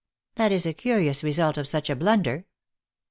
" That is a curious result of such a blunder."